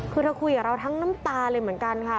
คือเธอคุยกับเราทั้งน้ำตาเลยเหมือนกันค่ะ